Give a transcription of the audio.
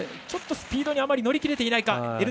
ちょっとスピードに乗りきれていないか。